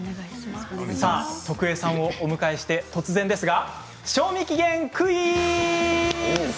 徳江さんをお迎えして突然ですが賞味期限クイズ！